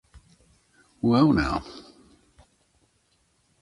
Well Now.